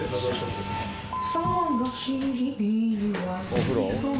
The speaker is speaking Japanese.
お風呂？